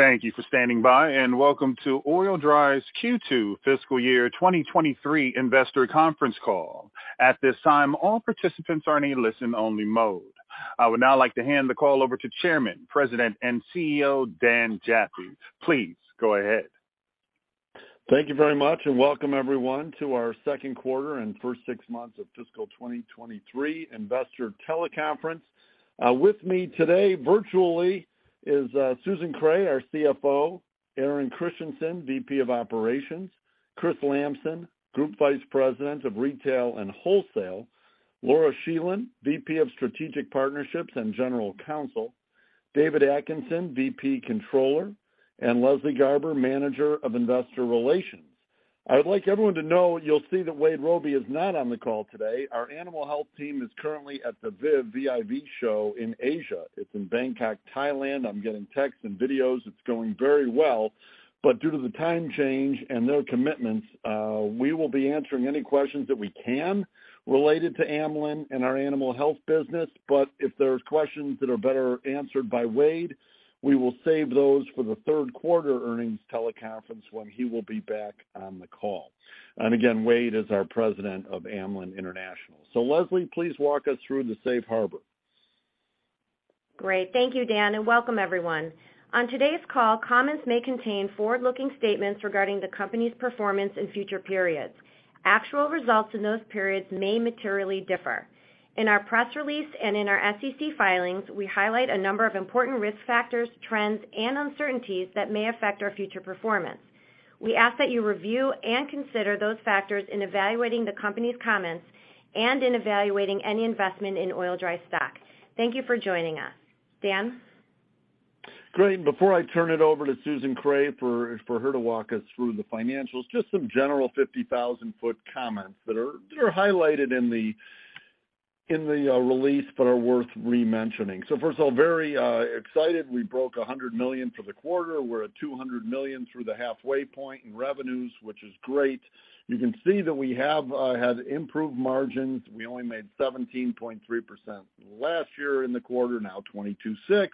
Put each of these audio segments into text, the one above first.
Thank you for standing by, and welcome to Oil-Dri's Second Quarter Fiscal Year 2023 Investor Conference Call. At this time, all participants are in a listen-only mode. I would now like to hand the call over to Chairman, President, and CEO, Dan Jaffee. Please go ahead. Thank you very much, welcome everyone to our second quarter and first six months of fiscal 2023 investor teleconference. With me today virtually is Susan Kreh, our CFO, Aaron Christiansen, VP of Operations, Chris Lamson, Group Vice President of Retail and Wholesale, Laura Scheland, VP of Strategic Partnerships and General Counsel, David Atkinson, VP Controller, Leslie Garber, Manager of Investor Relations. I would like everyone to know you'll see that Wade Robey is not on the call today. Our animal health team is currently at the VIV, V-I-V show in Asia. It's in Bangkok, Thailand. I'm getting texts and videos. It's going very well, due to the time change and their commitments, we will be answering any questions that we can related to Amlan and our animal health business. If there's questions that are better answered by Wade, we will save those for the third quarter earnings teleconference when he will be back on the call. Again, Wade is our President of Amlan International. Leslie, please walk us through the Safe Harbor. Great. Thank you, Dan, and welcome everyone. On today's call, comments may contain forward-looking statements regarding the company's performance in future periods. Actual results in those periods may materially differ. In our press release and in our SEC filings, we highlight a number of important risk factors, trends, and uncertainties that may affect our future performance. We ask that you review and consider those factors in evaluating the company's comments and in evaluating any investment in Oil-Dri stock. Thank you for joining us. Dan? Great. Before I turn it over to Susan Kreh for her to walk us through the financials, just some general 50,000-foot comments that are highlighted in the release but are worth re-mentioning. First of all, very excited. We broke $100 million for the quarter. We're at $200 million through the halfway point in revenues, which is great. You can see that we have had improved margins. We only made 17.3% last year in the quarter, now 22.6%.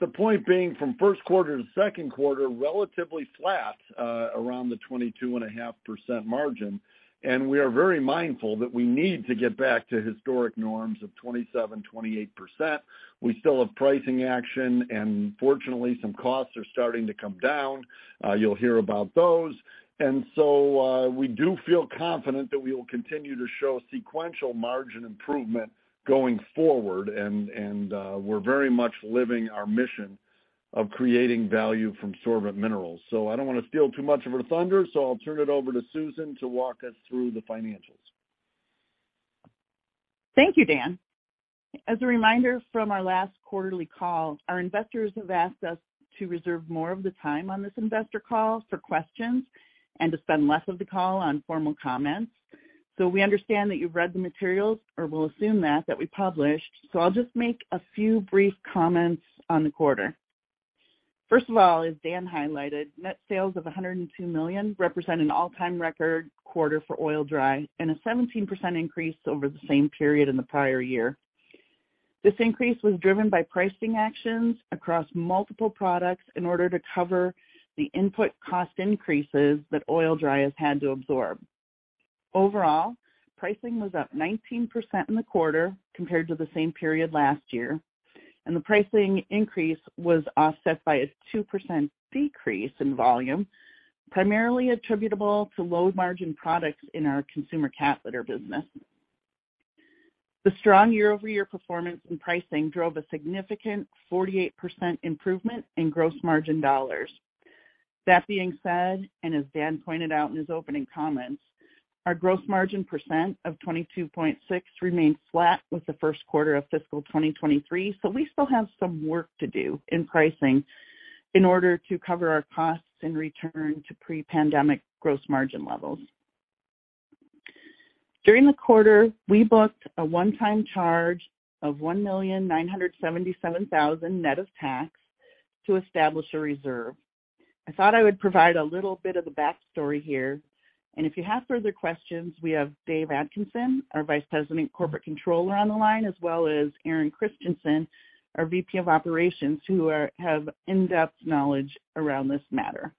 The point being from first quarter to second quarter, relatively flat, around the 22.5% margin, and we are very mindful that we need to get back to historic norms of 27% to 28%. We still have pricing action, and fortunately, some costs are starting to come down. You'll hear about those. We do feel confident that we will continue to show sequential margin improvement going forward, and we're very much living our mission of creating value from sorbent minerals. I don't wanna steal too much of her thunder, so I'll turn it over to Susan to walk us through the financials. Thank you, Dan. As a reminder from our last quarterly call, our investors have asked us to reserve more of the time on this investor call for questions and to spend less of the call on formal comments. We understand that you've read the materials, or we'll assume that we published, so I'll just make a few brief comments on the quarter. First of all, as Dan highlighted, net sales of $102 million represent an all-time record quarter for Oil-Dri and a 17% increase over the same period in the prior year. This increase was driven by pricing actions across multiple products in order to cover the input cost increases that Oil-Dri has had to absorb. Overall, pricing was up 19% in the quarter compared to the same period last year. The pricing increase was offset by a 2% decrease in volume, primarily attributable to low margin products in our consumer cat litter business. The strong year-over-year performance in pricing drove a significant 48% improvement in gross margin dollars. That being said, as Dan pointed out in his opening comments, our gross margin of 22.6% remains flat with the first quarter of fiscal 2023. We still have some work to do in pricing in order to cover our costs and return to pre-pandemic gross margin levels. During the quarter, we booked a one-time charge of $1,977,000 net of tax to establish a reserve. I thought I would provide a little bit of the backstory here. If you have further questions, we have Dave Atkinson, our Vice President Corporate Controller on the line, as well as Aaron Christiansen, our VP of Operations, who have in-depth knowledge around this matter.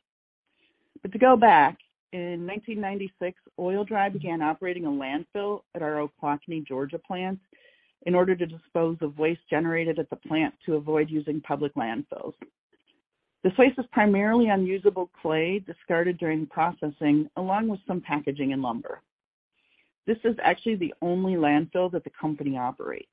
To go back, in 1996, Oil-Dri began operating a landfill at our Oconee, Georgia plant in order to dispose of waste generated at the plant to avoid using public landfills. This waste is primarily unusable clay discarded during processing, along with some packaging and lumber. This is actually the only landfill that the company operates.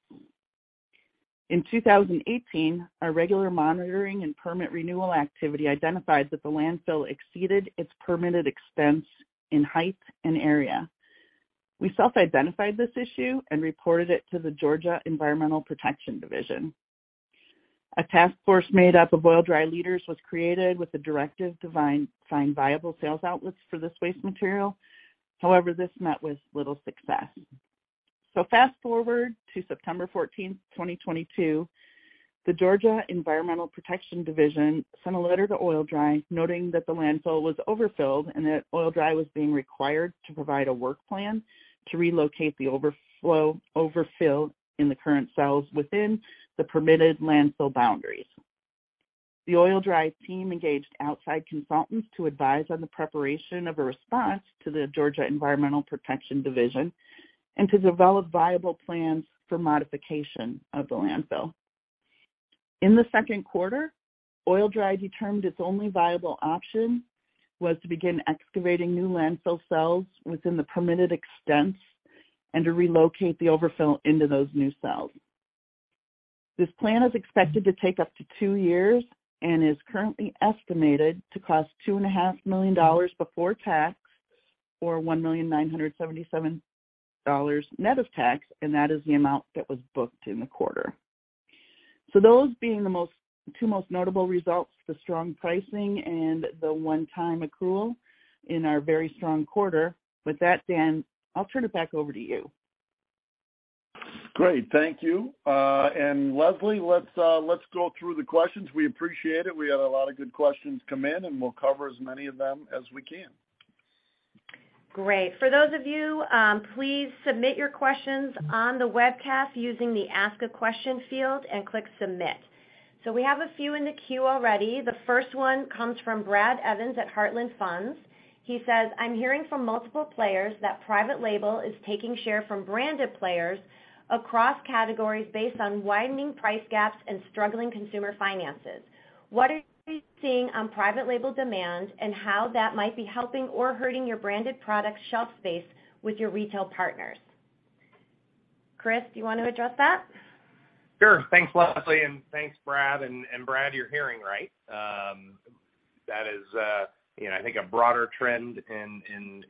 In 2018, our regular monitoring and permit renewal activity identified that the landfill exceeded its permitted expense in height and area. We self-identified this issue and reported it to the Georgia Environmental Protection Division. A task force made up of Oil-Dri leaders was created with the directive to find viable sales outlets for this waste material. However, this met with little success. Fast-forward to 14 September 2022, the Georgia Environmental Protection Division sent a letter to Oil-Dri noting that the landfill was overfilled and that Oil-Dri was being required to provide a work plan to relocate the overfill in the current cells within the permitted landfill boundaries. The Oil-Dri team engaged outside consultants to advise on the preparation of a response to the Georgia Environmental Protection Division and to develop viable plans for modification of the landfill. In the second quarter, Oil-Dri determined its only viable option was to begin excavating new landfill cells within the permitted extents and to relocate the overfill into those new cells. This plan is expected to take up to two years and is currently estimated to cost two and a half million dollars before tax, or $1,000,977 net of tax. That is the amount that was booked in the quarter. Those being two most notable results, the strong pricing and the one-time accrual in our very strong quarter. With that, Dan, I'll turn it back over to you. Great. Thank you. Leslie, let's go through the questions. We appreciate it. We had a lot of good questions come in, and we'll cover as many of them as we can. Great. For those of you, please submit your questions on the webcast using the Ask a Question field and click Submit. We have a few in the queue already. The first one comes from Brad Evans at Heartland Funds. He says, "I'm hearing from multiple players that private label is taking share from branded players across categories based on widening price gaps and struggling consumer finances. What are you seeing on private label demand and how that might be helping or hurting your branded product shelf space with your retail partners?" Chris, do you wanna address that? Sure. Thanks, Leslie, and thanks, Brad. Brad, you're hearing right. That is, you know, I think a broader trend in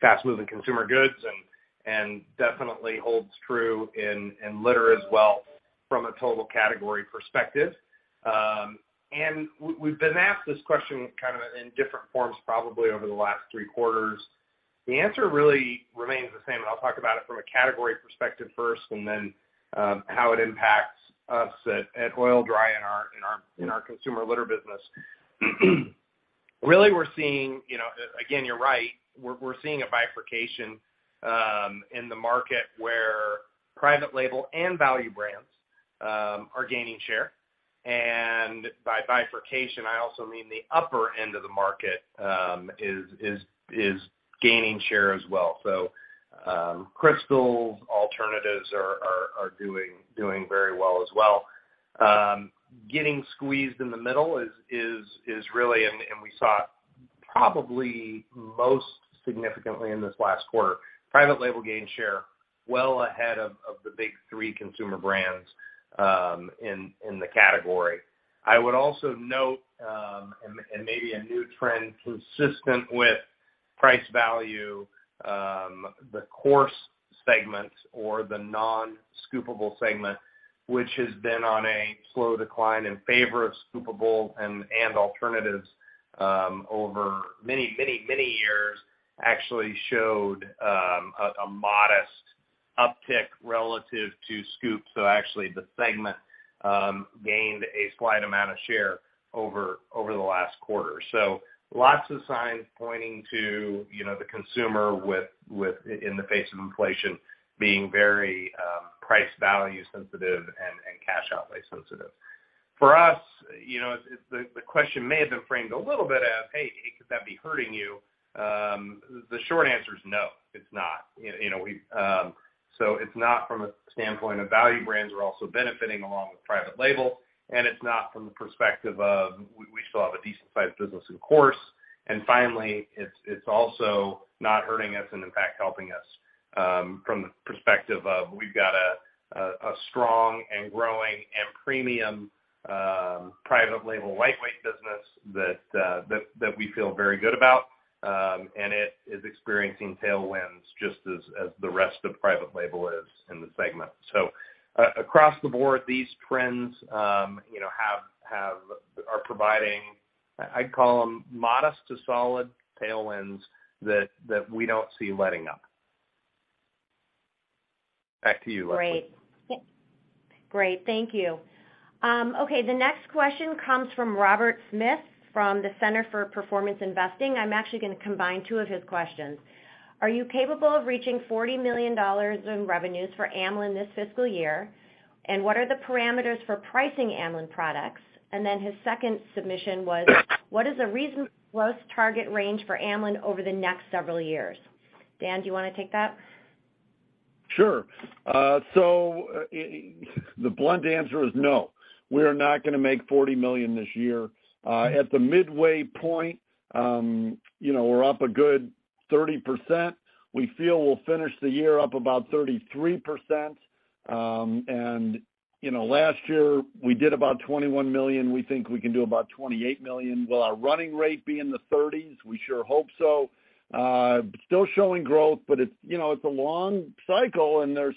fast-moving consumer goods and definitely holds true in litter as well from a total category perspective. And we've been asked this question kind of in different forms probably over the last three quarters. The answer really remains the same, and I'll talk about it from a category perspective first and then, how it impacts us at Oil-Dri in our consumer litter business. Really, we're seeing, you know, again, you're right. We're seeing a bifurcation in the market where private label and value brands are gaining share. By bifurcation, I also mean the upper end of the market is gaining share as well. Crystal alternatives are doing very well as well. Getting squeezed in the middle is really. We saw it probably most significantly in this last quarter. Private label gained share well ahead of the big three consumer brands in the category. I would also note, and maybe a new trend consistent with price value, the coarse segment or the non-scoopable segment, which has been on a slow decline in favor of scoopable and alternatives, over many years, actually showed a modest uptick relative to scoop. Actually, the segment gained a slight amount of share over the last quarter. Lots of signs pointing to, you know, the consumer with, in the face of inflation being very, price value sensitive and cash outlay sensitive. For us, you know, the question may have been framed a little bit as, "Hey, could that be hurting you?" The short answer is no, it's not. You know, we, it's not from a standpoint of value brands are also benefiting along with private label, and it's not from the perspective of we still have a decent-sized business in course. Finally, it's also not hurting us and in fact helping us from the perspective of we've got a strong and growing and premium private label lightweight business that we feel very good about. It is experiencing tailwinds just as the rest of private label is in the segment. Across the board, these trends, you know, are providing, I'd call them modest to solid tailwinds that we don't see letting up. Back to you, Leslie. Great. Great. Thank you. Okay, the next question comes from Robert Smith from the Center for Performance Investing. I'm actually gonna combine two of his questions. Are you capable of reaching $40 million in revenues for Amlan this fiscal year? And what are the parameters for pricing Amlan products? His second submission was, what is a reasonable growth target range for Amlan over the next several years? Dan, do you wanna take that? Sure. The blunt answer is no. We are not gonna make $40 million this year. At the midway point, you know, we're up a good 30%. We feel we'll finish the year up about 33%. You know, last year, we did about $21 million. We think we can do about $28 million. Will our running rate be in the $30 million? We sure hope so. Still showing growth, but it's, you know, it's a long cycle and they're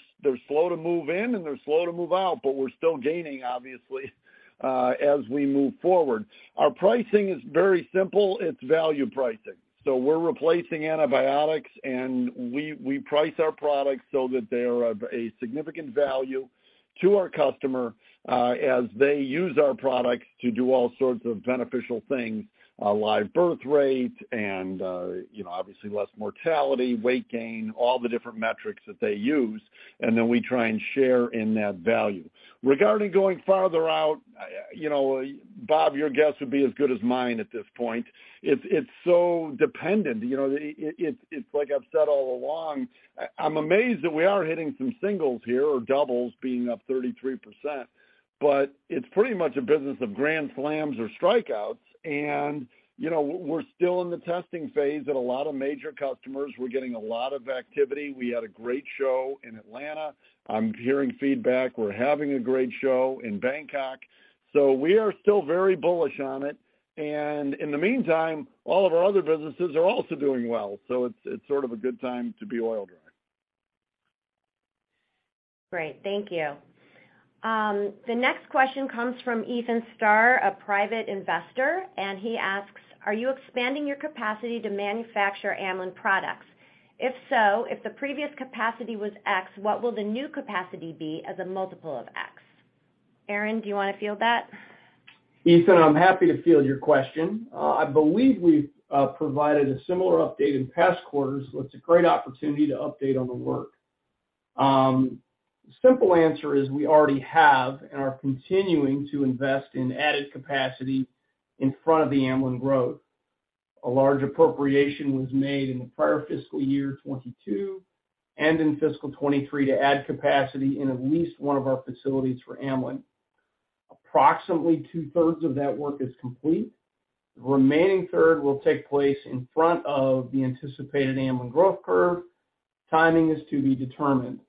slow to move in and they're slow to move out, but we're still gaining obviously, as we move forward. Our pricing is very simple. It's value pricing. We're replacing antibiotics and we price our products so that they're of a significant value to our customer, as they use our products to do all sorts of beneficial things, live birth rate and, you know, obviously less mortality, weight gain, all the different metrics that they use, and then we try and share in that value. Regarding going farther out. You know, Robert, your guess would be as good as mine at this point. It's so dependent, you know, it's like I've said all along, I'm amazed that we are hitting some singles here or doubles being up 33%. It's pretty much a business of grand slams or strikeouts. You know, we're still in the testing phase at a lot of major customers. We're getting a lot of activity. We had a great show in Atlanta. I'm hearing feedback, we're having a great show in Bangkok. We are still very bullish on it. In the meantime, all of our other businesses are also doing well. It's sort of a good time to be Oil-Dri. Great. Thank you. The next question comes from Ethan Starr, a private investor, and he asks: Are you expanding your capacity to manufacture Amlan products? If so, if the previous capacity was X, what will the new capacity be as a multiple of X? Aaron, do you wanna field that? Ethan, I'm happy to field your question. I believe we've provided a similar update in past quarters, so it's a great opportunity to update on the work. Simple answer is we already have and are continuing to invest in added capacity in front of the Amlan growth. A large appropriation was made in the prior fiscal year 2022 and in fiscal 2023 to add capacity in at least one of our facilities for Amlan. Approximately two-thirds of that work is complete. The remaining third will take place in front of the anticipated Amlan growth curve. Timing is to be determined.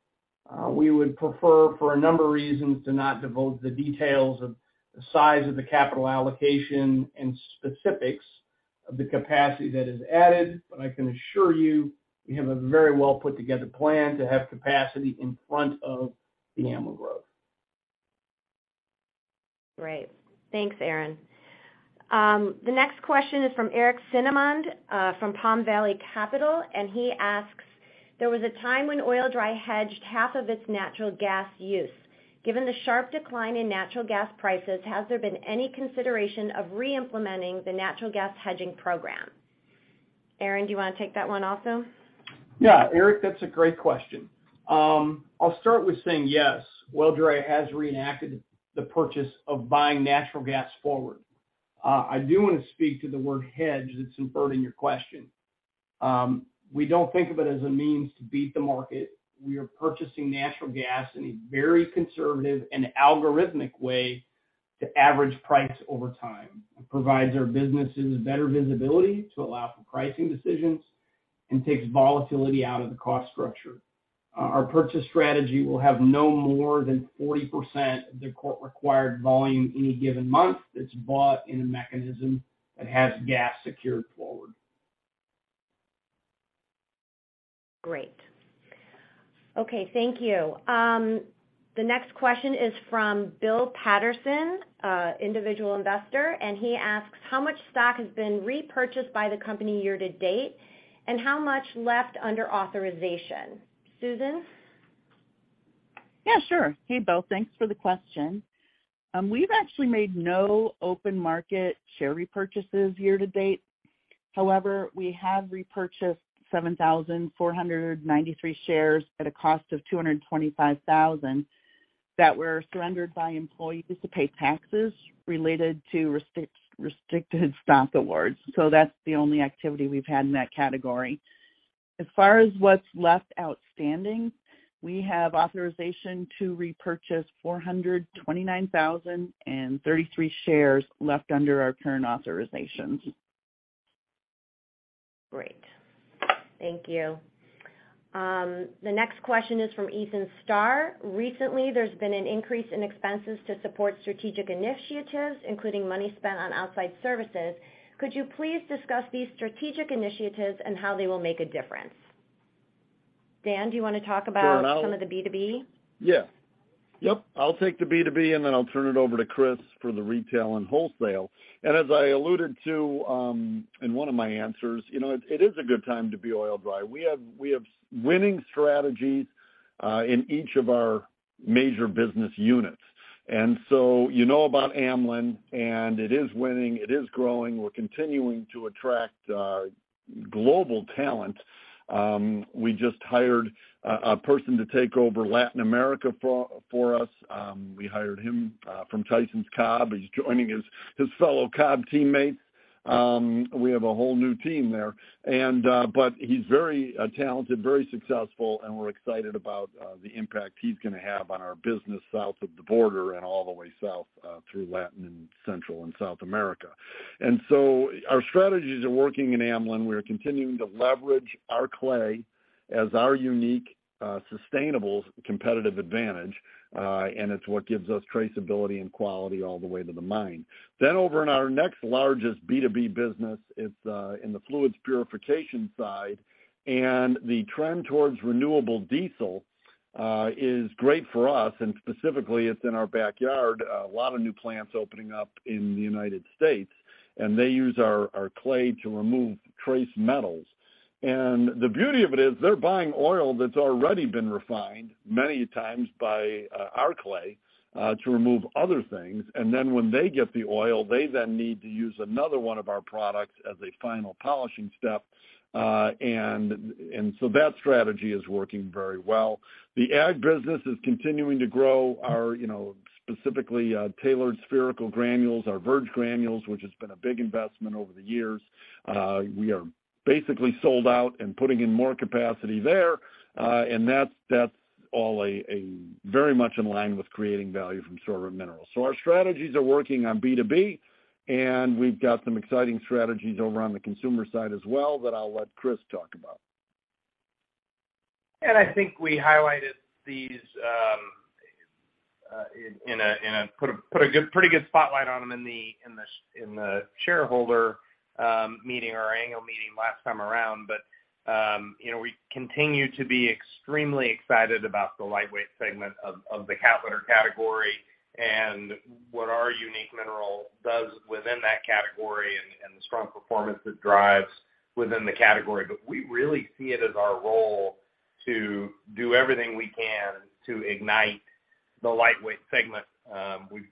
We would prefer, for a number of reasons, to not devote the details of the size of the capital allocation and specifics of the capacity that is added, but I can assure you, we have a very well put together plan to have capacity in front of the Amlan growth. Great. Thanks, Aaron. The next question is from Eric Cinnamond from Palm Valley Capital, and he asks: There was a time when Oil-Dri hedged half of its natural gas use. Given the sharp decline in natural gas prices, has there been any consideration of re-implementing the natural gas hedging program? Aaron, do you wanna take that one also? Yeah. Eric, that's a great question. I'll start with saying yes, Oil-Dri has reenacted the purchase of buying natural gas forward. I do wanna speak to the word hedge that's inferred in your question. We don't think of it as a means to beat the market. We are purchasing natural gas in a very conservative and algorithmic way to average price over time. It provides our businesses better visibility to allow for pricing decisions and takes volatility out of the cost structure. Our purchase strategy will have no more than 40% of the required volume any given month that's bought in a mechanism that has gas secured forward. Great. Okay. Thank you. The next question is from Bill Patterson, individual investor. He asks: How much stock has been repurchased by the company year to date, and how much left under authorization? Susan? Yeah, sure. Hey, Bill, thanks for the question. We've actually made no open market share repurchases year to date. However, we have repurchased 7,493 shares at a cost of $225,000 that were surrendered by employees to pay taxes related to restricted stock awards. That's the only activity we've had in that category. As far as what's left outstanding, we have authorization to repurchase 429,033 shares left under our current authorizations. Great. Thank you. The next question is from Ethan Starr. Recently, there's been an increase in expenses to support strategic initiatives, including money spent on outside services. Could you please discuss these strategic initiatives and how they will make a difference? Dan, do you wanna talk about some of the B2B? Yeah. Yep. I'll take the B2B, and then I'll turn it over to Chris for the retail and wholesale. As I alluded to, in one of my answers, you know, it is a good time to be Oil-Dri. We have winning strategies in each of our major business units. You know about Amlan, and it is winning, it is growing. We're continuing to attract global talent. We just hired a person to take over Latin America for us. We hired him from Tyson's Cobb-Vantress. He's joining his fellow Cobb-Vantress teammates. We have a whole new team there. He's very talented, very successful, and we're excited about the impact he's gonna have on our business south of the border and all the way south through Latin and Central and South America. Our strategies are working in Amlan. We're continuing to leverage our clay as our unique sustainable competitive advantage, and it's what gives us traceability and quality all the way to the mine. Over in our next largest B2B business, it's in the Fluids Purification side, and the trend towards renewable diesel is great for us, and specifically it's in our backyard. A lot of new plants opening up in the United States, and they use our clay to remove trace metals. The beauty of it is they're buying oil that's already been refined many times by our clay to remove other things. When they get the oil, they then need to use another one of our products as a final polishing step. That strategy is working very well. The ag business is continuing to grow our, you know, specifically, tailored spherical granules, our Verge granules, which has been a big investment over the years. We are basically sold out and putting in more capacity there, and that's all very much in line with creating value from sorbent minerals. Our strategies are working on B2B, and we've got some exciting strategies over on the consumer side as well that I'll let Chris talk about. I think we highlighted these, put a good, pretty good spotlight on them in the shareholder meeting or annual meeting last time around. You know, we continue to be extremely excited about the lightweight segment of the cat litter category and what our unique mineral does within that category and the strong performance it drives within the category. We really see it as our role to do everything we can to ignite the lightweight segment.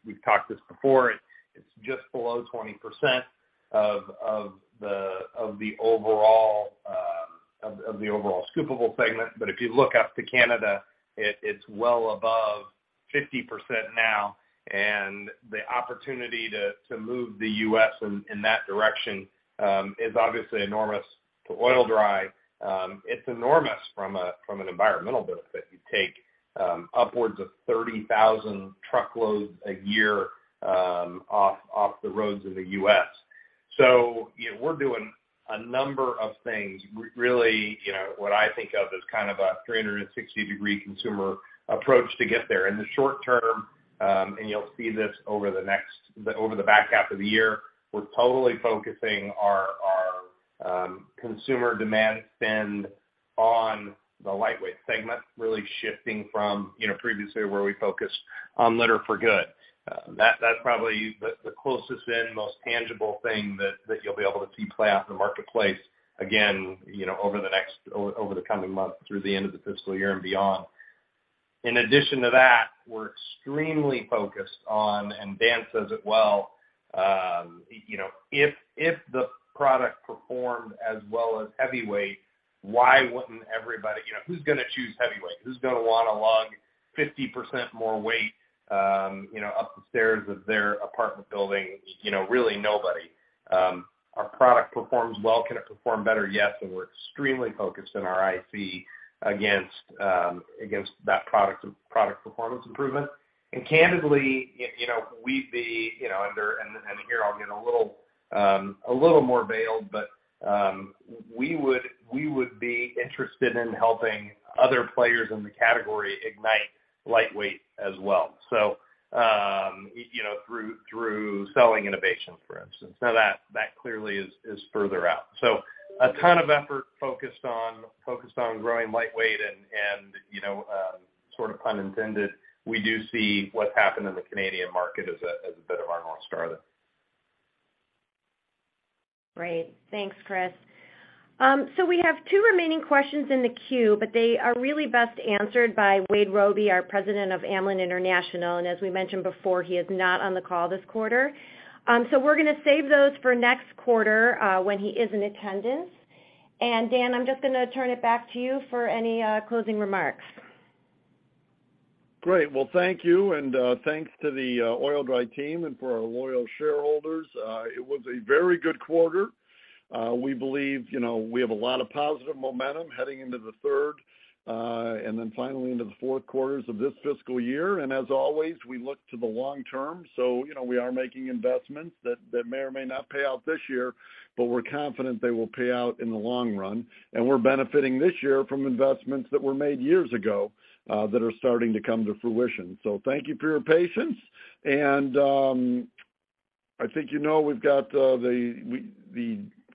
We've talked this before. It's just below 20% of the overall scoopable segment. If you look up to Canada, it's well above 50% now, and the opportunity to move the US in that direction is obviously enormous to Oil-Dri. It's enormous from an environmental benefit. You take upwards of 30,000 truckloads a year off the roads of the US. You know, we're doing a number of things. Really, you know, what I think of as kind of a 360-degree consumer approach to get there. In the short term, and you'll see this over the next, over the back half of the year, we're totally focusing our consumer demand spend on the lightweight segment, really shifting from, you know, previously where we focused on Litter for Good. That's probably the closest and most tangible thing that you'll be able to see play out in the marketplace again, you know, over the coming months through the end of the fiscal year and beyond. In addition to that, we're extremely focused on, and Dan says it well, you know, if the product performed as well as heavyweight, why wouldn't everybody? You know, who's gonna choose heavyweight? Who's gonna wanna lug 50% more weight, you know, up the stairs of their apartment building? You know, really nobody. Our product performs well. Can it perform better? Yes. We're extremely focused in our IC against that product performance improvement. Here I'll get a little more veiled, but we would be interested in helping other players in the category ignite lightweight as well, you know, through selling innovations, for instance. That clearly is further out. A ton of effort focused on growing lightweight and, you know, sort of pun intended, we do see what's happened in the Canadian market as a bit of our North Star there. Great. Thanks, Chris. We have two remaining questions in the queue, but they are really best answered by Wade Robey, our President of Amlan International, and as we mentioned before, he is not on the call this quarter. We're gonna save those for next quarter, when he is in attendance. Dan, I'm just gonna turn it back to you for any closing remarks. Great. Well, thank you, thanks to the Oil-Dri team and for our loyal shareholders. It was a very good quarter. We believe, you know, we have a lot of positive momentum heading into the third, finally into the fourth quarters of this fiscal year. As always, we look to the long term. You know, we are making investments that may or may not pay out this year, but we're confident they will pay out in the long run. We're benefiting this year from investments that were made years ago, that are starting to come to fruition. Thank you for your patience. I think you know we've got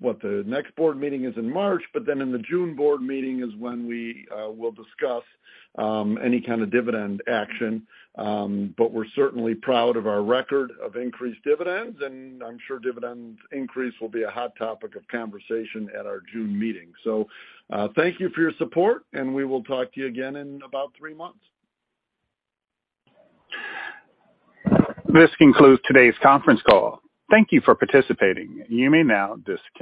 What? The next board meeting is in March, but then in the June board meeting is when we will discuss any kind of dividend action. We're certainly proud of our record of increased dividends, and I'm sure dividends increase will be a hot topic of conversation at our June meeting. Thank you for your support, and we will talk to you again in about three months. This concludes today's conference call. Thank you for participating. You may now disconnect.